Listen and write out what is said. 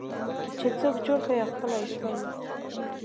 چې څوک جوړ کړئ او خپله اصلاح یاست.